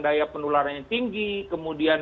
daya penularannya tinggi kemudian